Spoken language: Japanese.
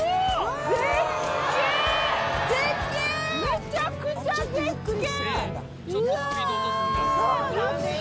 めちゃくちゃ絶景！